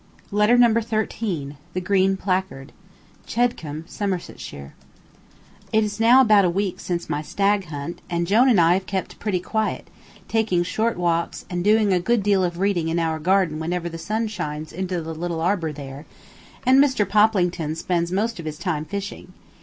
Letter Number Thirteen CHEDCOMBE, SOMERSETSHIRE It is now about a week since my stag hunt, and Jone and I have kept pretty quiet, taking short walks, and doing a good deal of reading in our garden whenever the sun shines into the little arbor there, and Mr. Poplington spends most of his time fishing.